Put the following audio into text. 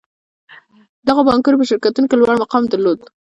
دغو بانکونو په شرکتونو کې لوړ مقام درلود